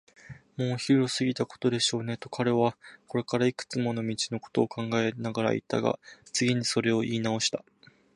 「もうお昼を過ぎたことでしょうね」と、彼はこれからいくつもりの道のことを考えながらいったが、次にそれをいいなおした。